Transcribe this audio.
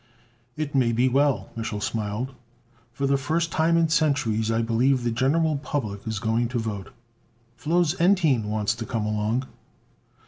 "It may be well," Mich'l smiled. "For the first time in centuries, I believe, the general public is going to vote." "Flos Entine wants to come along."